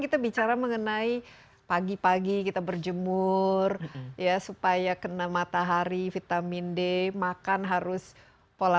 kita bicara mengenai pagi pagi kita berjemur ya supaya kena matahari vitamin d makan harus pola